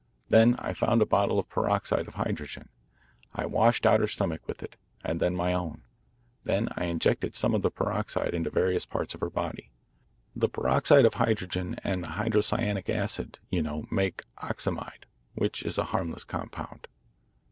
Then I found a bottle of peroxide of hydrogen. I washed out her stomach with it, and then my own. Then I injected some of the peroxide into various parts of her body. The peroxide of hydrogen and hydrocyanic acid, you know, make oxamide, which is a harmless compound.